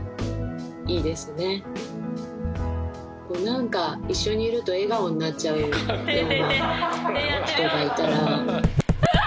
何か一緒にいると笑顔になっちゃうような人がいたら。